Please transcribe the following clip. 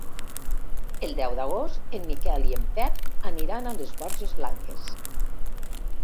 El deu d'agost en Miquel i en Pep aniran a les Borges Blanques.